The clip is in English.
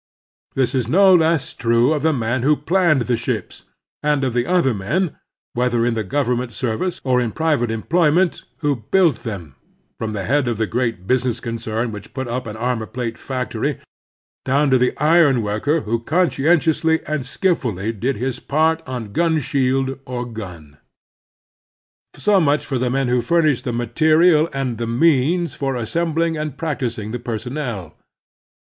This is no less true of the man who planned the ships and of the other men, whether in the government service or in private employment, who built them, from the head of the great business concern which put up an armor plate factory down to the iron worker who conscientiously and skilftdly did his part on gun shield or gun. So much for the men who furnished the material and the means for assembling and practising the personnel.